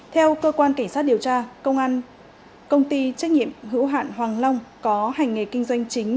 theo cơ quan cảnh sát điều tra công an công ty trách nhiệm hữu hạn hoàng long có hành nghề kinh doanh chính